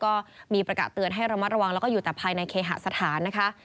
ก็มีประกาศเตือนให้ระมัดระวังแล้วก็อยู่แต่ภายในเคหสถานนะคะ